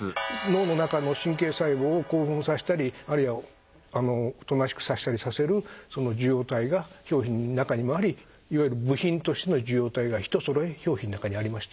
脳の中の神経細胞を興奮させたりあるいはおとなしくさせたりさせるその受容体が表皮の中にもありいわゆる部品としての受容体が一そろい表皮の中にありました。